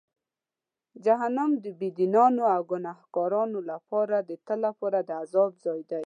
جهنم د بېدینانو او ګناهکارانو لپاره د تل لپاره د عذاب ځای دی.